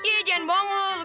eh jangan bongol lu